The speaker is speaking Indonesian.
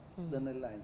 dan itu sangat rusak